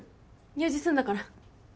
用事済んだから。